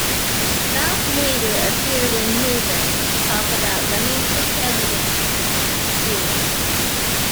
Ralph Nader appeared in Moodus to talk about running for president the next year.